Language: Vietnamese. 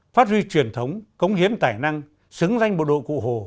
phát huy truyền thống cống hiến tài năng xứng danh bộ đội cụ hồ